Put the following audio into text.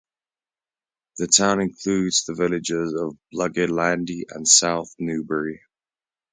The town includes the villages of Blodgett Landing and South Newbury.